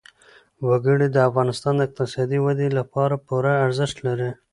وګړي د افغانستان د اقتصادي ودې لپاره پوره ارزښت لري.